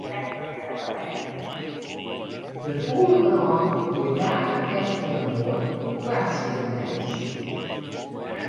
De fûle brân wie dagen efterinoar foarsidenijs.